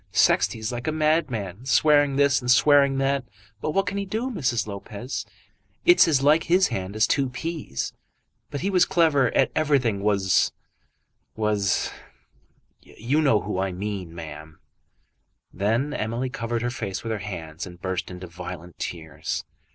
Sexty is like a madman, swearing this and swearing that; but what can he do, Mrs. Lopez? It's as like his hand as two peas; but he was clever at everything was was you know who I mean, ma'am." Then Emily covered her face with her hands and burst into violent tears.